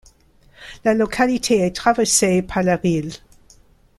La localité est traversée par la Risle.